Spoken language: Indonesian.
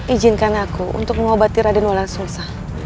ijinkan aku untuk mengobati raden wala sulsang